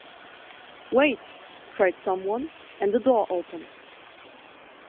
“Wait,” cried someone, and a door opened.